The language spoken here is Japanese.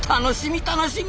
楽しみ！